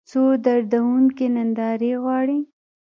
څو دردونکې نندارې غواړي